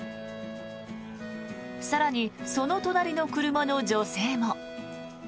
更に、その隣の車の女性も。